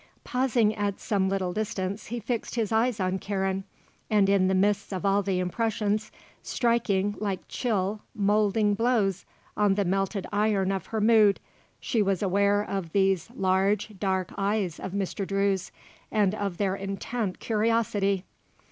Pausing at some little distance he fixed his eyes on Karen, and in the midst of all the impressions, striking like chill, moulding blows on the melted iron of her mood, she was aware of these large, dark eyes of Mr. Drew's and of their intent curiosity.